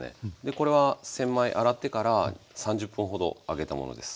これは洗米洗ってから３０分ほど上げたものです。